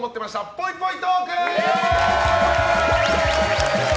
ぽいぽいトーク！